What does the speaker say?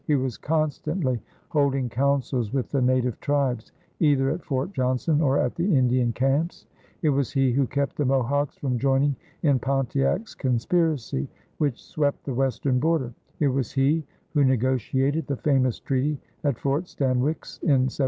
He was constantly holding councils with the native tribes either at Fort Johnson or at the Indian camps. It was he who kept the Mohawks from joining in Pontiac's conspiracy which swept the western border; it was he who negotiated the famous treaty at Fort Stanwix in 1768.